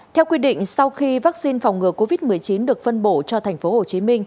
theo quy định sau khi vaccine phòng ngừa covid một mươi chín được phân bổ cho tp hcm